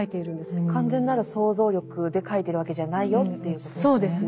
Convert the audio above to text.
完全なる想像力で書いてるわけじゃないよということですよね。